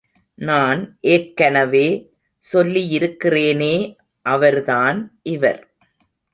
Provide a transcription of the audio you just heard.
நான் ஏற்கனவே சொல்லியிருக்கிறேனே அவர்தான் இவர்.